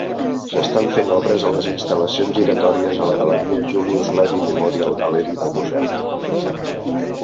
S'estan fent obres a les instal·lacions giratòries a la galeria Julius Levy Memorial Gallery del museu.